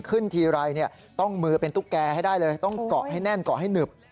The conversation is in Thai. ทีไรต้องมือเป็นตุ๊กแกให้ได้เลยต้องเกาะให้แน่นเกาะให้หนึบ